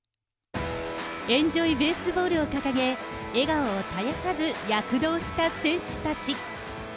エンジョイベースボールを掲げ、笑顔を絶やさず躍動した選手たち。